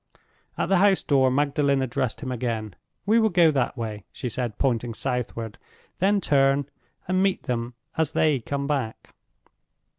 At the house door Magdalen addressed him again. "We will go that way," she said, pointing southward, "then turn, and meet them as they come back."